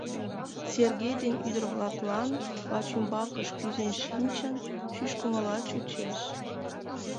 Сергей ден ӱдыр-влаклан вачӱмбакышт кӱзен шинчын шӱшкымыла чучеш.